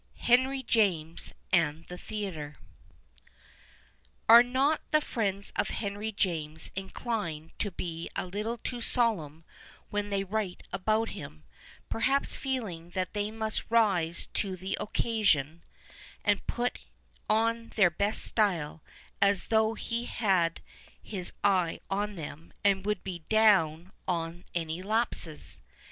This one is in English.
I6i HENRY JAMES AND THE THEATRE Are not the friends of Henry James inclined to be a little too solemn when they write about him, perhaps feeling that they must rise to the oeeasion and i)iit on their best style, as though he had his eye on them and would be " down " on any lapses